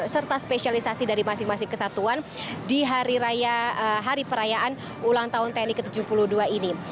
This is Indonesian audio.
serta spesialisasi dari masing masing kesatuan di hari perayaan ulang tahun tni ke tujuh puluh dua ini